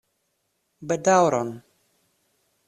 Bedaŭron.